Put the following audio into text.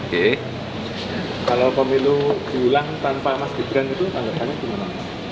kalau pemilu diulang tanpa mas gibran itu tanggapannya gimana